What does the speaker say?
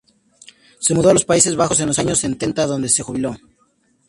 Se mudó a los Países Bajos en los años setenta, donde se jubiló.